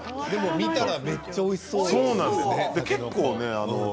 見たらめっちゃおいしそうですよね。